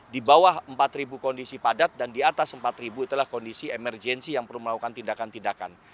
di bawah empat kondisi padat dan di atas empat itulah kondisi emergensi yang perlu melakukan tindakan tindakan